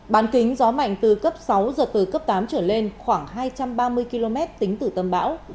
bán kính gió mạnh từ cấp sáu giật từ cấp tám trở lên khoảng hai trăm ba mươi km tính từ tâm bão